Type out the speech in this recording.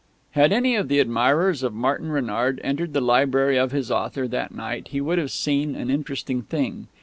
Had any of the admirers of Martin Renard entered the library of his author that night he would have seen an interesting thing.